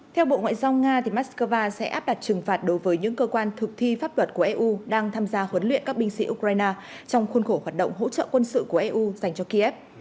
theo bộ ngoại giao nga moscow sẽ áp đặt trừng phạt đối với những cơ quan thực thi pháp luật của eu đang tham gia huấn luyện các binh sĩ ukraine trong khuôn khổ hoạt động hỗ trợ quân sự của eu dành cho kiev